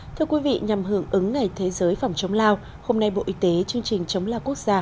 thưa quý vị nhằm hưởng ứng ngày thế giới phòng chống lao hôm nay bộ y tế chương trình chống lao quốc gia